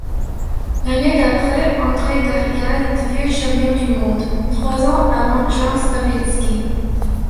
L'année d'après, André Darrigade devient champion du monde, trois ans avant Jean Stablinski.